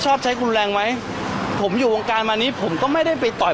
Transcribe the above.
ชอบใช้คุณแรงไหมผมอยู่วงการมานี้ผมก็ไม่ได้ไปต่อย